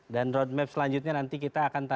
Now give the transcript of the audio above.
dan roadmap selanjutnya nanti kita akan mencari